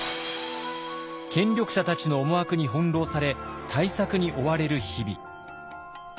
権力者たちの思惑に翻弄され対策に追われる日々。